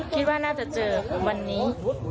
คิดว่าน่าจะเจอวันนี้